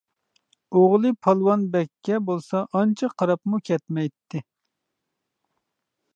ئوغلى پالۋان بەگكە بولسا ئانچە قاراپمۇ كەتمەيتتى.